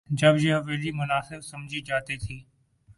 جب یہ حویلی مناسب سمجھی جاتی تھی۔